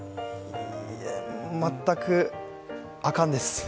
全く、あかんです。